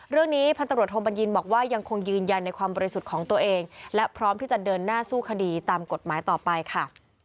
พันธุ์ตำรวจโทบัญญินบอกว่ายังคงยืนยันในความบริสุทธิ์ของตัวเองและพร้อมที่จะเดินหน้าสู้คดีตามกฎหมายต่อไปค่ะ